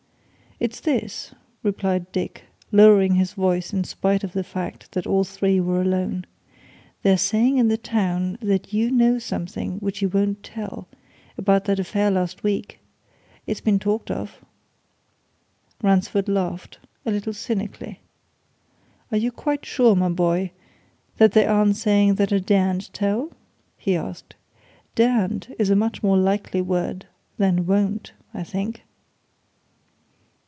"It's this," replied Dick, lowering his voice in spite of the fact that all three were alone. "They're saying in the town that you know something which you won't tell about that affair last week. It's being talked of." Ransford laughed a little cynically. "Are you quite sure, my boy, that they aren't saying that I daren't tell?" he asked. "Daren't is a much more likely word than won't, I think."